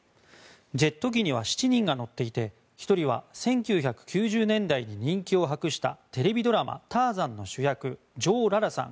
ジェット機には７人が乗っていて１人は１９９０年代に人気を博したテレビドラマ「ターザン」の主役ジョー・ララさん